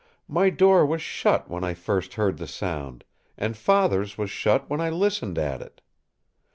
My door was shut when I first heard the sound; and Father's was shut when I listened at it.